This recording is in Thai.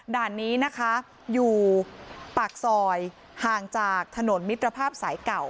ด่านนี้นะคะอยู่ปากซอยห่างจากถนนมิตรภาพสายเก่า